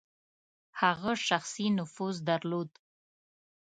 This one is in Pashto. هغه شخصي نفوذ درلود.